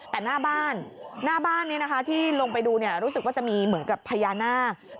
แต่หน้าบ้านหน้าบ้านนี้นะคะที่ลงไปดูรู้สึกว่าจะมีเหมือนกับพญานาค